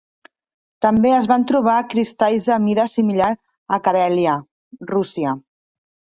També es van trobar cristalls de mida similar a Carèlia, Rússia.